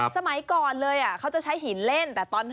สมัยก่อนเลยเขาจะใช้หินเล่น